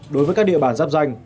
đối với các địa bản dắp danh